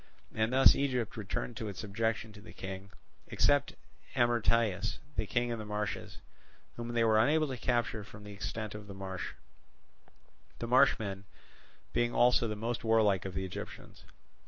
And thus Egypt returned to its subjection to the King, except Amyrtaeus, the king in the marshes, whom they were unable to capture from the extent of the marsh; the marshmen being also the most warlike of the Egyptians.